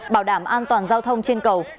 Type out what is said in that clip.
bảo đảm an toàn giao thông trên cầu